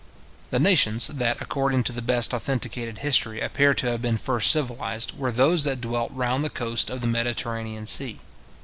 The nations that, according to the best authenticated history, appear to have been first civilized, were those that dwelt round the coast of the Mediterranean sea.